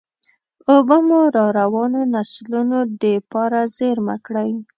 اوبه مو راروانو نسلونو دپاره زېرمه کړئ.